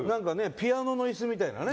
ピアノのイスみたいなね。